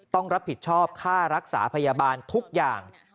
ต้องรับผิดชอบค่ารักษาพยาบาลทุกอย่าง